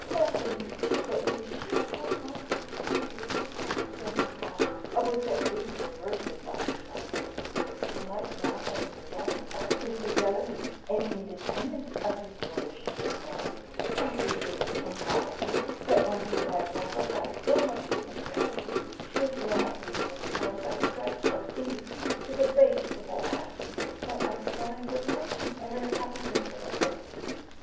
Tell him too, that if she had not inherited a strong sense of honour, of which at least her birth does not deprive her, she might now have been the wife of Mr. Delamere, and independant of his Lordship's authority; and it is improbable, that one who has sacrificed so much to integrity, should now be compelled by threats of indigence to the basest of all actions, that of selling her person and her happiness for a subsistence.